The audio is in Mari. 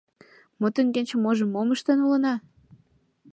Ме теҥгече можым мом ыштен улына...